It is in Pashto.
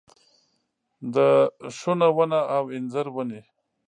د ښونه ونه او انځر ونې